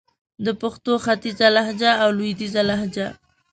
د پښتو ختیځه لهجه او لويديځه لهجه